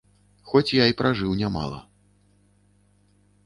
Хоць я і пражыў нямала.